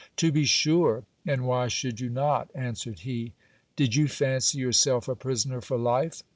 To be sure ! and why should you not ? answered he. Did you fancy yourself a prisoner for life